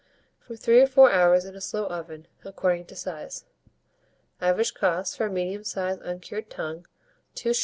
From 3 or 4 hours in a slow oven, according to size. Average cost, for a medium sized uncured tongue, 2s.